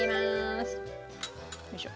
よいしょ。